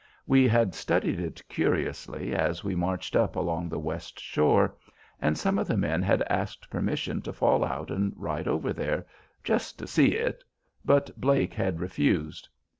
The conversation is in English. We had studied it curiously as we marched up along the west shore, and some of the men had asked permission to fall out and ride over there, "just to see it," but Blake had refused.